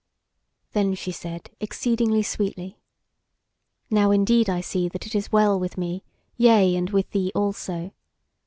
Then she said exceeding sweetly: "Now indeed I see that it is well with me, yea, and with thee also.